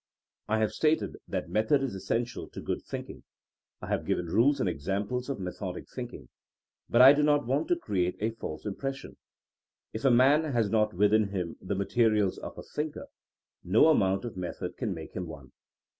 I have stated that method is essential to good thinking. I have given rules and examples of methodic thinMng. But I do not want to create a false impression. If a man has not within him the materials of a thinker, no amount of method can make him one.